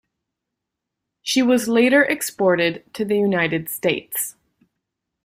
She was later exported to the United States.